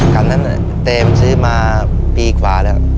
ขันนั้นเต้มซื้อมาปีกว่าแล้ว